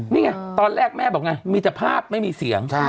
นี่ไงตอนแรกแม่บอกไงมีแต่ภาพไม่มีเสียง